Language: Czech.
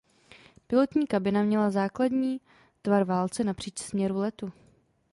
Pilotní kabina měla základní tvar válce napříč směru letu.